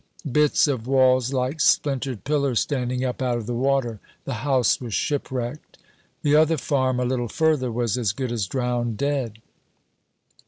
Bits of walls like splintered pillars standing up out of the water; the house was shipwrecked. The other farm, a little further, was as good as drowned dead.